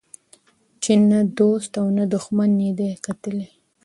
چي نه دو ست او نه دښمن یې دی کتلی